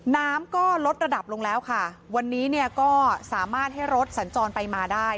น้ำก็ลดระดับลงแล้วค่ะวันนี้เนี่ยก็สามารถให้รถสัญจรไปมาได้